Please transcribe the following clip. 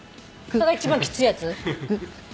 それが一番きついやつ？